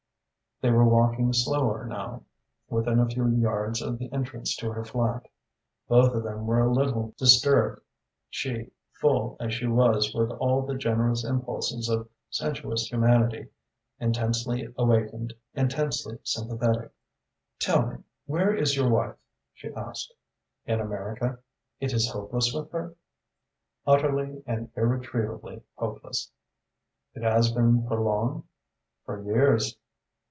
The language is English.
They were walking slower now, within a few yards of the entrance to her flat. Both of them were a little disturbed, she, full as she was with all the generous impulses of sensuous humanity, intensely awakened, intensely sympathetic. "Tell me, where is your wife?" she asked. "In America." "It is hopeless with her?" "Utterly and irretrievably hopeless." "It has been for long?" "For years."